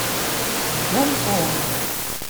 Ǧǧan Tom.